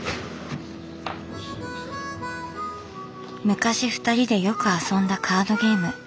昔ふたりでよく遊んだカードゲーム。